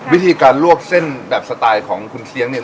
วิธีการลวกเส้นแบบสไตล์ของคุณเสียงเนี่ย